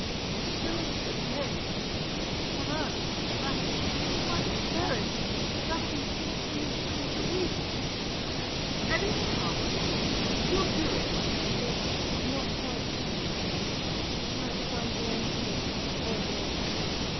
A shilling a day can one earn as much as that! Why, Mary, that will be fourteen shillings a week an income! We'll do it! MARY. It's not quite a shilling, Joe you have to find your own paste and odds and ends.